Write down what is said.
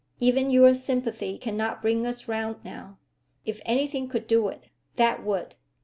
Even your sympathy cannot bring us round now. If anything could do it that would!"